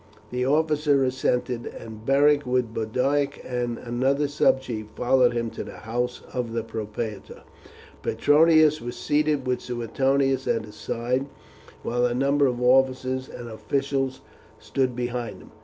The officer assented, and Beric with Boduoc and another subchief followed him to the house of the propraetor. Petronius was seated with Suetonius at his side, while a number of officers and officials stood behind him.